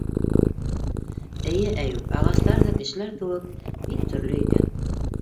Эйе, Әйүп, ағастар ҙа, кешеләр кеүек, бик төрлө икән.